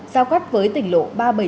giao cắt với tỉnh lộ ba trăm bảy mươi bảy